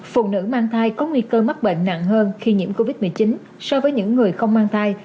phụ nữ mang thai có nguy cơ mắc bệnh nặng hơn khi nhiễm covid một mươi chín so với những người không mang thai